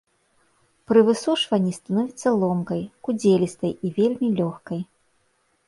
Пры высушванні становіцца ломкай, кудзелістай і вельмі лёгкай.